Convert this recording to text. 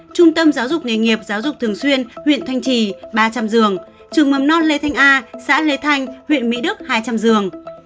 trung tâm giáo dục nghề nghiệp giáo dục thường xuyên huyện thanh trì ba trăm linh giường trường mầm non lê thanh a xã lê thanh huyện mỹ đức hai trăm linh giường